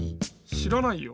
しらないよ。